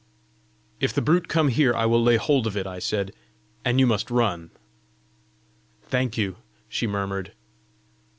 "If the brute come here, I will lay hold of it," I said, "and you must run." "Thank you!" she murmured.